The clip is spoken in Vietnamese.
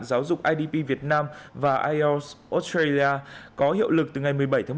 giáo dục idp việt nam và ielts australia có hiệu lực từ ngày một mươi bảy tháng một